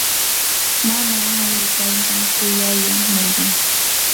mamaa willkantan kuyaylla millqan.